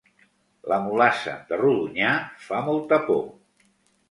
La mulassa de Rodonyà fa molta por